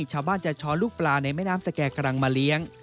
ชาวบ้านจะช้อนลูกปลาในแม่น้ำสแก่กรังมาเลี้ยง